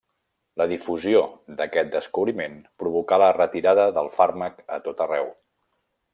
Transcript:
La difusió d'aquest descobriment provocà la retirada del fàrmac a tot arreu.